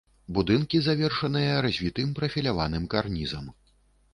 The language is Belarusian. Будынкі завершаныя развітым прафіляваным карнізам.